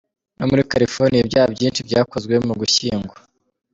No muri California, ibyaha byinshi byakozwe mu Ugushyingo.